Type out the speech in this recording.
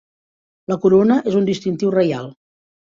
La corona és un distintiu reial.